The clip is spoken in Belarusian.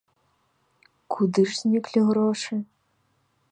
Куды ж зніклі грошы?